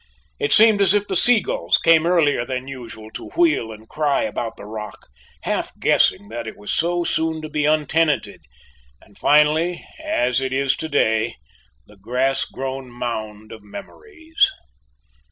It seemed as if the sea gulls came earlier than usual to wheel and cry about the rock, half guessing that it was so soon to be untenanted, and finally, as it is to day, the grass grown mound of memories.